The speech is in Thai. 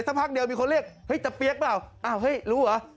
พักเดียวมีคนเรียกเฮ้ยตะเปี๊ยกเปล่าอ้าวเฮ้ยรู้เหรอ